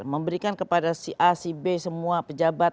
memberikan kepada si a si b semua pejabat